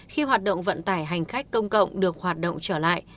khi hoạt động vận tải hành khách công cộng được hoạt động trở lại